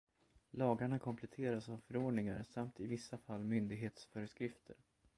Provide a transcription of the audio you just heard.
Lagarna kompletteras av förordningar samt i vissa fall myndighetsföreskrifter.